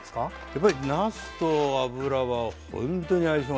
やっぱりなすと油はほんとに相性がいいです。